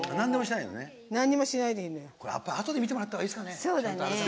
やっぱり、あとで見てもらったほうがいいですかね。